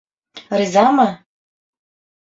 Ризамы?